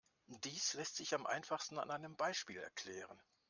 Dies lässt sich am einfachsten an einem Beispiel erklären.